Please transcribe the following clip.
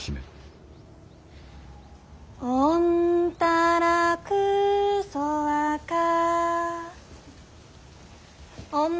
おんたらくそわか。